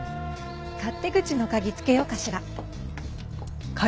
勝手口の鍵つけようかしら。